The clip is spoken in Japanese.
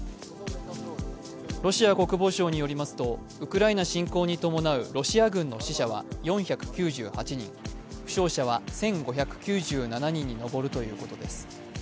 ロシア国防省によりますと、ウクライナ侵攻に伴うロシア軍の死者は４９８人、負傷者は１５９７人に上るということです。